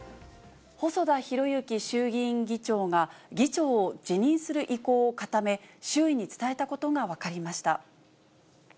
細田博之衆議院議長が議長を辞任する意向を固め、周囲に伝えたことが分かりました。